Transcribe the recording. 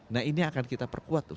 nah ini akan kita perkuat terus